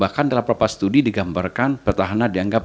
bahkan dalam pelepas studi digambarkan petahana dianggap